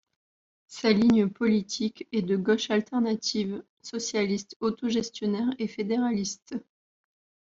Sa ligne politique est de gauche alternative, socialiste autogestionnaire et fédéraliste.